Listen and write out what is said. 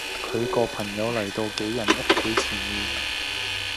佢個朋友嚟到杞人屋企前面